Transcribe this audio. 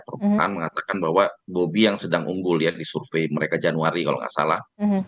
permukaan mengatakan bahwa bobby yang sedang unggul ya di survei mereka januari kalau nggak salah